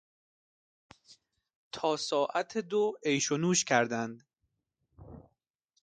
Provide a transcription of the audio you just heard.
تا ساعت دو عیش و نوش کردند.